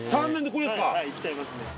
はいいっちゃいますね。